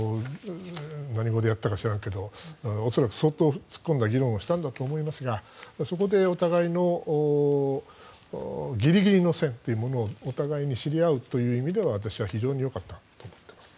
何語でやったか知らんけど恐らく、相当突っ込んだ議論をしたんだと思いますがそこでお互いのギリギリの線というものをお互いに知り合うという意味では私は非常によかったと思ってます。